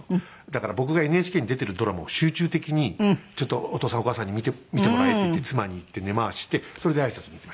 だから僕がＮＨＫに出てるドラマを集中的にちょっとお父さんお母さんに見てもらえって言って妻に言って根回ししてそれであいさつに行きました。